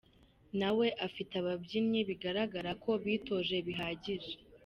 Na we afite ababyinnyi bigaragara ko bitoje bihagije.